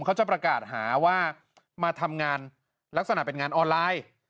เขาจะประกาศหาว่ามาทำงานลักษณะเป็นงานออนไลน์